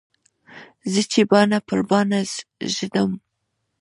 زه چې باڼه پر باڼه ږدم.